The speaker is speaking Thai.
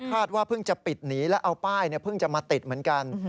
เพิ่งจะปิดหนีแล้วเอาป้ายเพิ่งจะมาติดเหมือนกัน